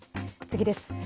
次です。